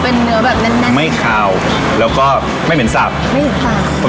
เป็นเนื้อแบบแน่นแน่นไม่ขาวแล้วก็ไม่เหม็นสับไม่เหม็นค่ะ